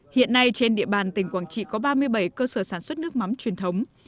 hiện nay trên địa bàn tỉnh quảng trị có ba mươi bảy cơ sở sản xuất nước mắm truyền thống